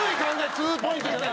ツーポイントじゃない。